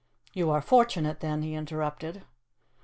"You are fortunate, then," he interrupted.